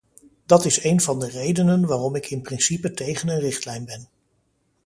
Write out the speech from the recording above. Dat is een van de redenen waarom ik in principe tegen een richtlijn ben.